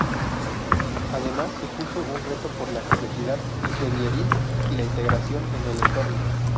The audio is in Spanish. Además, supuso un reto por la complejidad ingenieril y la integración en el entorno.